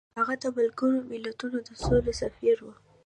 هغه د ملګرو ملتونو د سولې سفیر و.